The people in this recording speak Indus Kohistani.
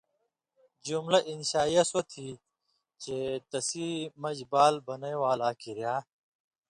جملہ انشائیہ سوتھی چے تسی مژ بال بنیں والاں کریا